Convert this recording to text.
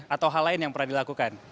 atau hal lain yang pernah dilakukan